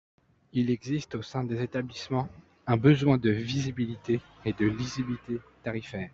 Il existe au sein des établissements un besoin de visibilité et de lisibilité tarifaires.